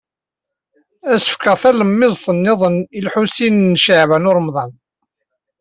Ad as-fkeɣ talemmiẓt niḍen i Lḥusin n Caɛban u Ṛemḍan.